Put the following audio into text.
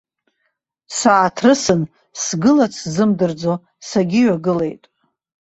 Сааҭрысын, сгылац сзымдырӡо сагьыҩагылеит.